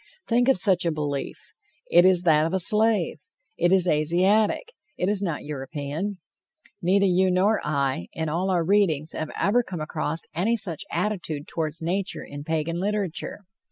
Think of such a belief! It is that of a slave. It is Asiatic; it is not European. Neither you nor I, in all our readings, have ever come across any such attitude toward nature in Pagan literature.